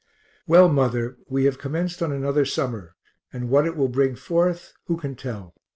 Well, mother, we have commenced on another summer, and what it will bring forth who can tell?